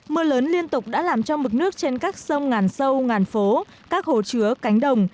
mưa lớn liên tục đã làm cho mực nước trên các sông ngàn sâu ngàn phố các hồ chứa cánh đồng